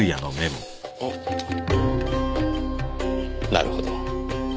なるほど。